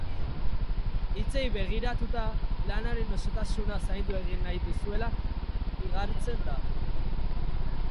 Hitzei begiratuta, lanaren osotasuna zaindu egin nahi duzuela igartzen da.